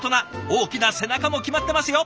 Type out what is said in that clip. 大きな背中も決まってますよ！